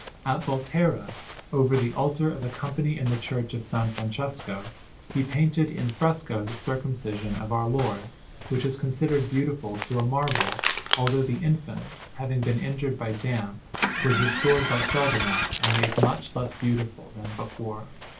At Volterra, over the altar of a Company in the Church of S. Francesco, he painted in fresco the Circumcision of Our Lord, which is considered beautiful to a marvel, although the Infant, having been injured by damp, was restored by Sodoma and made much less beautiful than before.